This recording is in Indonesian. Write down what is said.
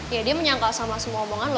ya dia menyangkal sama semua omongan